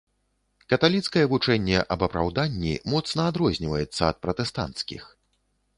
Каталіцкае вучэнне аб апраўданні моцна адрозніваецца ад пратэстанцкіх.